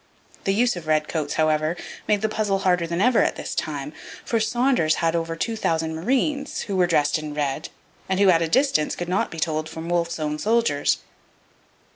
The use of redcoats, however, made the puzzle harder than ever at this time, for Saunders had over 2,000 marines, who were dressed in red and who at a distance could not be told from Wolfe's own soldiers.